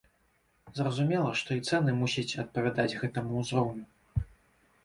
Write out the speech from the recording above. Зразумела, што і цэны мусяць адпавядаць гэтаму ўзроўню.